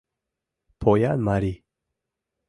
Поян марий».